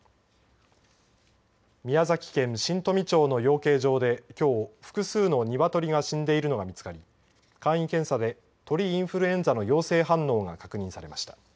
宮崎県新富町の養鶏場できょう複数の鶏が死んでいるのが見つかり簡易検査で鳥インフルエンザの陽性反応が確認されました。